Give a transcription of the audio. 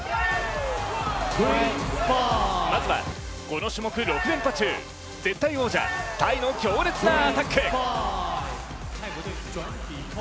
まずは、この種目６連覇中絶対王者・タイの強烈なアタック。